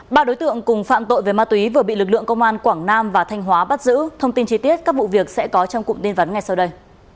ba đối tượng cùng phạm tội về ma túy vừa bị lực lượng công an quảng nam và thanh hóa bắt giữ thông tin chi tiết các vụ việc sẽ có trong cụm tin vắn ngay sau đây